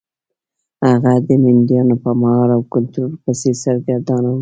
هغه د مینډیانو په مهار او کنټرول پسې سرګردانه و.